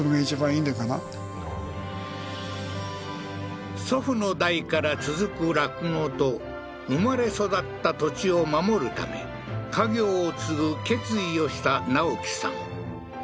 はっ祖父の代から続く酪農と生まれ育った土地を守るため家業を継ぐ決意をした直樹さん